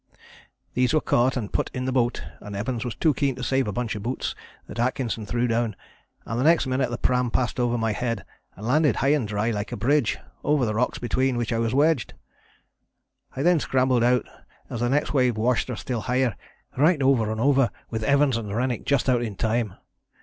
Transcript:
These were caught and put into the boat, but Evans was too keen to save a bunch of boots that Atkinson threw down, and the next minute the pram passed over my head and landed high and dry, like a bridge, over the rocks between which I was wedged. I then scrambled out as the next wave washed her still higher, right over and over, with Evans and Rennick just out in time.